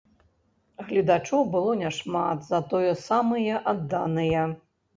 Гледачоў было няшмат, затое самыя адданыя.